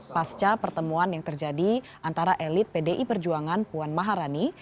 pasca pertemuan yang terjadi antara elit pdi perjuangan puan maharani